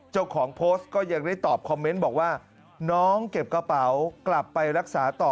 เจ้าของโพสต์ก็ยังได้ตอบคอมเมนต์บอกว่าน้องเก็บกระเป๋ากลับไปรักษาต่อ